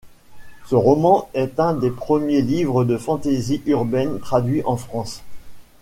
Ce roman est un des premiers livres de fantasy urbaine traduit en France.